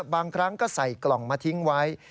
บางครั้งก็ใส่กล่องมาทิ้งไว้